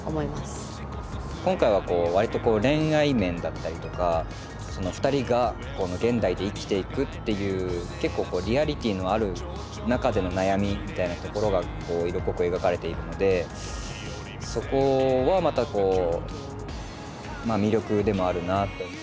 今回はこう割と恋愛面だったりとかふたりが現代で生きていくっていう結構リアリティーのある中での悩みみたいなところが色濃く描かれているのでそこはまた魅力でもあるなあと。